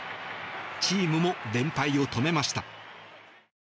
チームも連敗を止めました。